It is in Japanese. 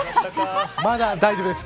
まだ大丈夫です。